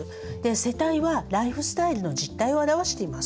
世帯はライフスタイルの実態を表しています。